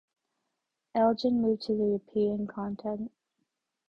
Elgin moved to the European continent.